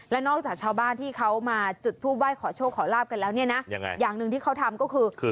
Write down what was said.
และนอกจากชาวบ้านที่เขามาจุดทูปไห้ขอโชคขอลาบกันแล้วเนี่ยนะยังไงอย่างหนึ่งที่เขาทำก็คือ